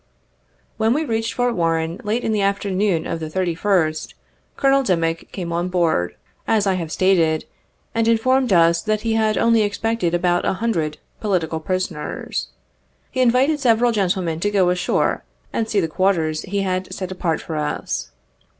63 When we readied Fort Warren, late in the afternoon of the 31st, Colonel Dimick came on board, as I have stated, and informed us that he had only expected about a hundred "political prisoners." He invited several gen tlemen to go ashore and see the quarters he had set apart for us.